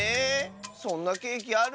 そんなケーキある？